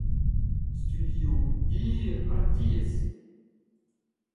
Studioù hir ha diaes.